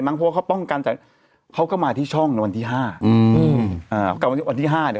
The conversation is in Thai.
อ๋อมันก็ต้องตรงกับตัวด้วย